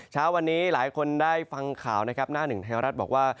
เช้าวันนี้หลายคนได้ฟังข่าวนะครับหน้าหนึ่งไทยรัฐบอกว่า